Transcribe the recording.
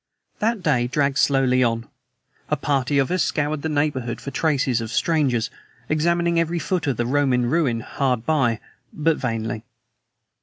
That day dragged slowly on. A party of us scoured the neighborhood for traces of strangers, examining every foot of the Roman ruin hard by; but vainly.